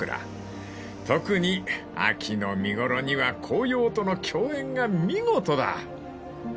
［特に秋の見頃には紅葉との共演が見事だ］